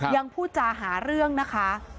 ยังพูดจาหาเรื่องนะคะ